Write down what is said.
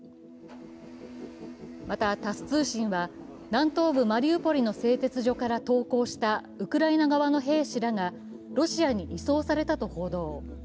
また、タス通信は南東部マリウポリの製鉄所から投降したウクライナ側の兵士らがロシアに移送されたと報道。